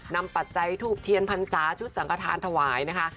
ปัจจัยทูบเทียนพรรษาชุดสังขทานถวายนะคะ